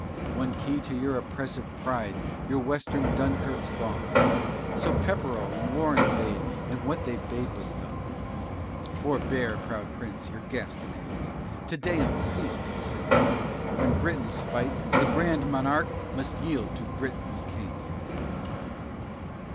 One key to your oppressive pride Your Western Dunkirk's gone; So Pepperell and Warren bade And what they bade was done! Forbear, proud Prince, your gasconades, Te Deums cease to sing, When Britains fight the Grand Monarque Must yield to Britain's King.